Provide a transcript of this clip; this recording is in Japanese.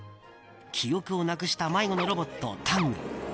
記憶をなくした迷子のロボットタング。